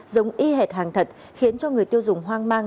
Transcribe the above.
giống y hệt hàng thật khiến cho người tiêu dùng hoang mang